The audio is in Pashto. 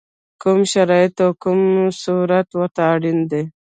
کوم شرایط او کوم صورت ورته اړین دی؟